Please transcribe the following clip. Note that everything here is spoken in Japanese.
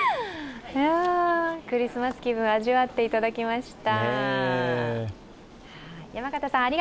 クリスマス気分、味わっていただきました。